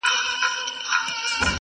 ښه روزنه د ژوند د سمون سبب ګرځي.